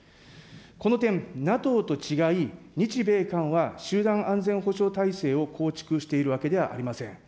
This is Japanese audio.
この点、ＮＡＴＯと違い、日米韓は集団安全保障体制を構築しているわけではありません。